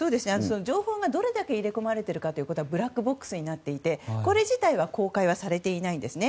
情報がどれだけ入れ込められているかはブラックボックスになっていてこれ自体は公開されていないんですね。